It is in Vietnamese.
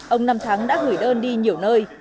ông năm thắng đã gửi đơn đi nhiều nơi